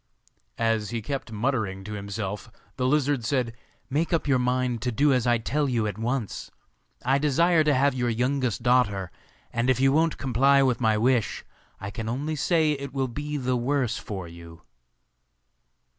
As he kept muttering to himself the lizard said, 'Make up your mind to do as I tell you at once. I desire to have your youngest daughter, and if you won't comply with my wish, I can only say it will be the worse for you.